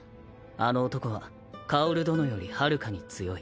あの男は薫殿よりはるかに強い。